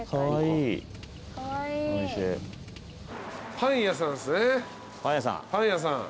パン屋さんですねパン屋さん